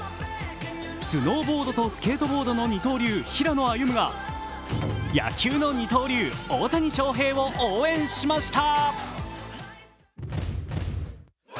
スノーボードとスケートボードの二刀流・平野歩夢が野球の二刀流、大谷翔平を応援しました。